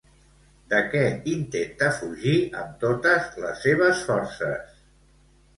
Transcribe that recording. De què intenta fugir amb totes les seves forces?